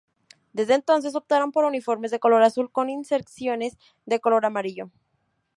Desde entonces optaron por uniformes de color azul, con inserciones de color amarillo.